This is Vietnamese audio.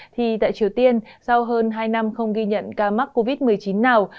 thì tại triều tiên sau hơn hai năm không ghi nhận ca mắc covid một mươi chín nào